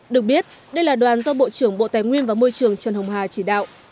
được biết đây là đoàn do bộ trưởng bộ tài nguyên và môi trường trần hồng hà chỉ đạo